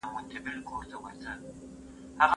ډیپلوماټیک غونډي باید د عمل په ډګر کي وي.